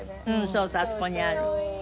そうそうあそこにある。